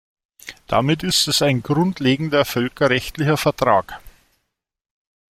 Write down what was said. Damit ist es ein grundlegender völkerrechtlicher Vertrag.